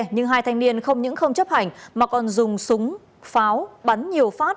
nhưng hai thanh niên không những không chấp hành mà còn dùng súng pháo bắn nhiều phát